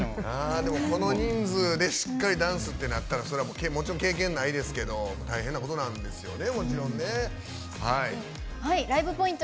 この人数でしっかりダンスってなったらもちろん経験ないですけど大変なことですよね。